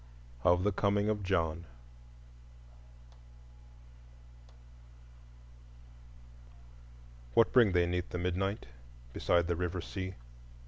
Of the Coming of John What bring they 'neath the midnight, Beside the River sea?